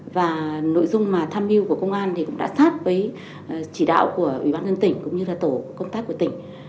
và nội dung mà tham mưu của công an thì cũng đã sát với chỉ đạo của ủy ban nhân tỉnh cũng như là tổ công tác của tỉnh